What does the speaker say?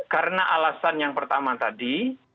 karena alasan yang pertama tadi